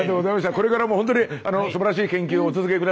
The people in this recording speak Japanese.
これからもほんとにすばらしい研究お続け下さい。